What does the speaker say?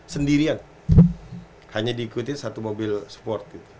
sendirian hanya diikutin satu mobil sport